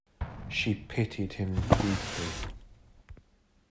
She pitied him deeply.